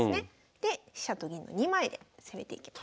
で飛車と銀の２枚で攻めていきます。